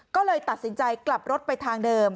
ก็เลยตัดสินใจกลับรถไปทางเดิม